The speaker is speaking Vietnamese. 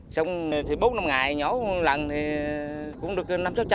xong thì bút năm ngày nhỏ một lần thì cũng được năm trăm linh sáu trăm linh